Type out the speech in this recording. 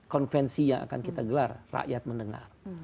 konvensi yang akan kita gelar rakyat mendengar